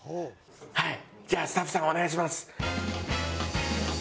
はいじゃあスタッフさんお願いします。